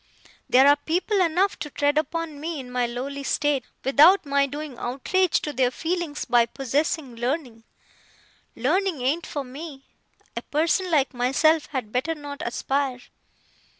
There are people enough to tread upon me in my lowly state, without my doing outrage to their feelings by possessing learning. Learning ain't for me. A person like myself had better not aspire.